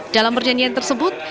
dalam perjanjian tersebut